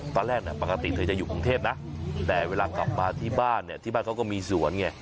ตอนแรกปกติเธอจะอยู่กรุงเทพนะแต่เวลากลับมาที่บ้านเนี่ยที่บ้านเขาก็มีสวนไง